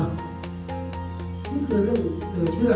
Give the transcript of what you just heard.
นี่คือเรื่องเหลือเชื่อ